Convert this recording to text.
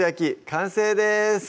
完成です